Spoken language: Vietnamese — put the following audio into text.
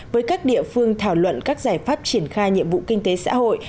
với các địa phương thảo luận các giải pháp triển khai nhiệm vụ kinh tế xã hội